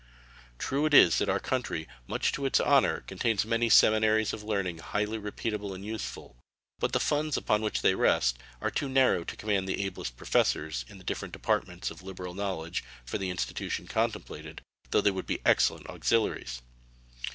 True it is that our country, much to its honor, contains many seminaries of learning highly repeatable and useful; but the funds upon which they rest are too narrow to command the ablest professors in the different departments of liberal knowledge for the institution contemplated, though they would be excellent auxiliaries.